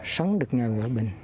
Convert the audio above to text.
sống được ngày hòa bình